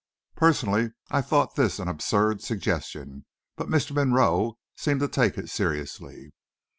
Personally I thought this an absurd suggestion, but Mr. Monroe seemed to take it seriously.